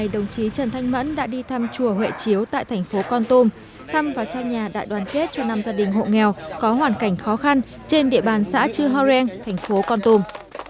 đồng chí trần thanh mẫn đã đi thăm chùa huệ chiếu tại thành phố con tum thăm vào trong nhà đại đoàn kết cho năm gia đình hộ nghèo có hoàn cảnh khó khăn trên địa bàn xã chư horen thành phố con tum